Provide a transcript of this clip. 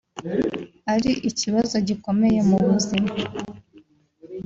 ari ikibazo gikomeye mu buzima